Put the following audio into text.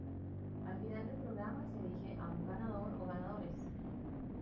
Al final del programa, se elige a un ganador o ganadores.